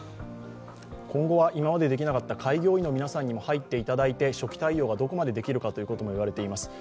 今後は今までできなかった開業医の皆さんにも入っていただいて初期対応がどこまでできるかということも言われています。